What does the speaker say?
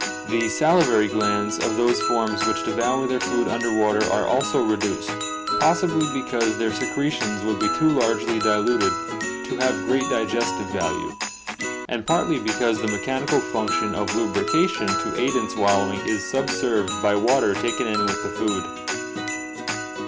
The salivary glands of those forms which devour their food under water are also reduced, possibly because their secretions would be too largely diluted to have great digestive value, and partly be 332 ORGANIC EVOLUTION cause the mechanical function of lubrication to aid in swallowing is subserved by water taken in with the food.